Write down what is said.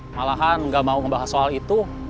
malahan nggak mau membahas soal itu